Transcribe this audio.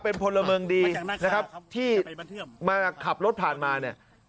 เป็นเว่นพลเมิงดีที่มาขับรถผ่านมาเนี่ย